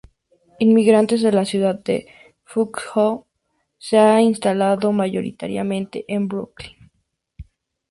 Inmigrantes de la ciudad de Fuzhou se han instalado mayoritariamente en Brooklyn.